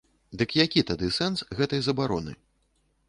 Дык які тады сэнс гэтай забароны?